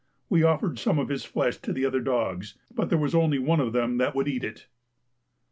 We offered some of his flesh to the other dogs, but there was only one of them that would eat it.